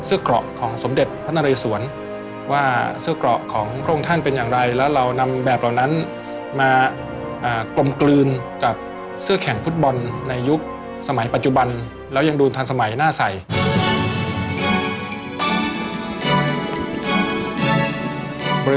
ชื่อว่าเจ้าพระเอกาทศรษฐ์ชื่อว่าเจ้าพระเอกาทศรษฐ์ชื่อว่าเจ้าพระเอกาทศรษฐ์ชื่อว่าเจ้าพระเอกาทศรษฐ์ชื่อว่าเจ้าพระเอกาทศรษฐ์ชื่อว่าเจ้าพระเอกาทศรษฐ์ชื่อว่าเจ้าพระเอกาทศรษฐ์ชื่อว่าเจ้าพระเอกาทศรษฐ์ชื่อว่าเจ้าพระเอกาทศรษฐ์ชื่อว่